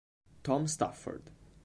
Tom Stafford